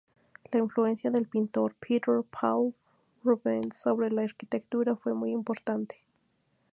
La influencia del pintor Peter Paul Rubens sobre la arquitectura fue muy importante.